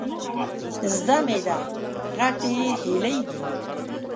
زده مې ده، غټې هيلۍ دي.